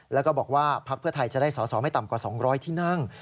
แล้วก็บอกว่าพักเพื่อไทยจะได้สอสอไม่ต่ำกว่า๒๐๐ที่นั่ง